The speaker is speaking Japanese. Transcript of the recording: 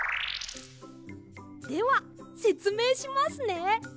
ではせつめいしますね。